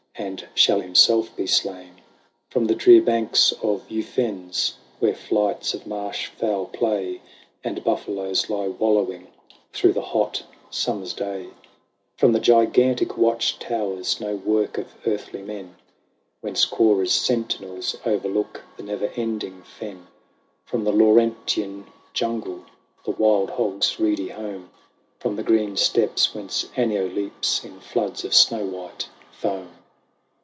And shall himself be slain ; From the drear banks of Ufens, Where flights of marsh fowl play. And buflfaloes lie wallowing Through the hot summer's day ; BATTLE OF THE LAKE REGILLUS. 105 From the gigantic watch towers, No work of earthly men, Whence Cora's sentinels o'erlook The never ending fen ; From the Laurentian jungle, The wild hog's reedy home ; From the green steeps whence Anio leaps In floods of snow white foam.